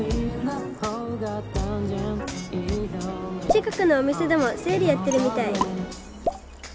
近くのお店でもセールやってるみたい！